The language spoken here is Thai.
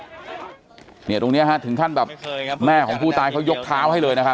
ตรงนี้ฮะถึงขั้นแบบแม่ของผู้ตายเขายกเท้าให้เลยนะครับ